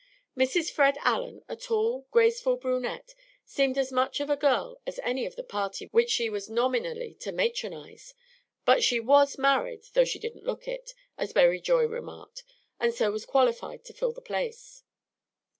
Mrs. Fred Allen, a tall, graceful brunette, seemed as much of a girl as any of the party which she was nominally to "matronize;" but "she was married though she didn't look it," as Berry Joy remarked, and so was qualified to fill the place.